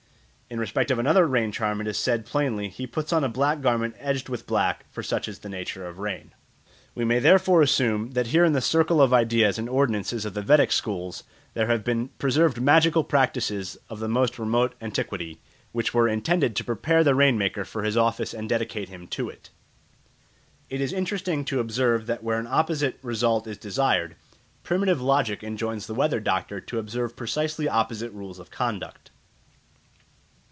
In respect of another rain charm it is said plainly, 'He puts on a black garment edged with black, for such is the nature of rain.' We may therefore assume that here in the circle of ideas and ordinances of the Vedic schools there have been preserved magical practices of the most remote antiquity, which were intended to prepare the rain maker for his office and dedicate him to it." It is interesting to observe that where an opposite result is desired, primitive logic enjoins the weather doctor to observe precisely opposite rules of conduct.